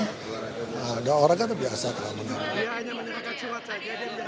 nah ada orang kan biasa kalau menang